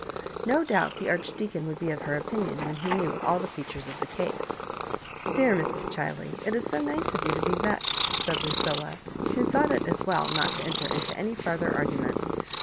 No doubt the Archdeacon would be of her opinion when he knew all the features of the case. " Dear Mrs. Chiley, it is so nice of you to be vexed," said Lucilla, who thought it as well not to enter into any farther argument.